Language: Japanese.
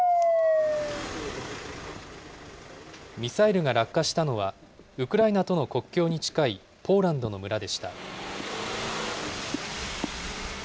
ミサイルが落下したのは、ウクライナとの国境に近いポーランドの村でした。